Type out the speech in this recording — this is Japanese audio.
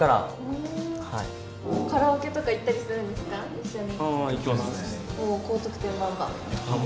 一緒に。